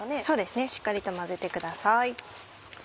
そうですねしっかりと混ぜてください。